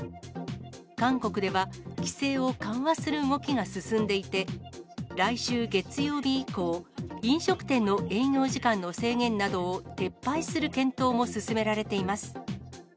韓国では規制を緩和する動きが進んでいて、来週月曜日以降、飲食店の営業時間の制限などを撤廃する検討も進められています。